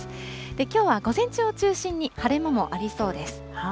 きょうは午前中を中心に晴れ間もありそうです。